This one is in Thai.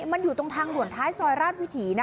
มันอยู่ตรงทางด่วนท้ายซอยราชวิถี